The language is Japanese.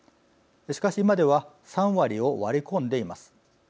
しかし、今では３割を割り込んでいます。